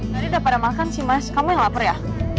tadi udah pada makan sih mas kamu yang lapar ya